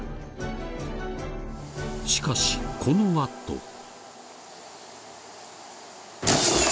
しかしこのあと。